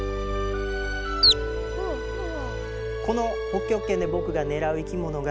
この北極圏で僕が狙う生き物が。